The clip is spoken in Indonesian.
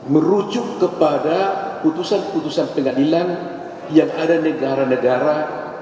merujuk kepada putusan putusan pengadilan yang ada di negara negara